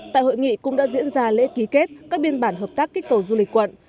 tại hội nghị cũng đã diễn ra lễ ký kết các biên bản hợp tác kích cầu du lịch quận